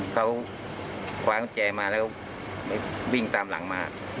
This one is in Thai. เขาคว้างแจมาแล้ววิ่งตามหลังมา